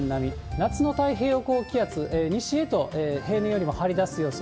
夏の太平洋高気圧、西へと平年よりも張り出す予想。